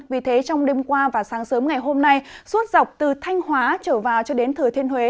vì thế trong đêm qua và sáng sớm ngày hôm nay suốt dọc từ thanh hóa trở vào cho đến thừa thiên huế